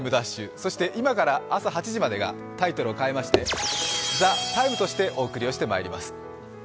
そして今から朝８時までがタイトルを変えまして「ＴＨＥＴＩＭＥ，」としてお送りしてまいります。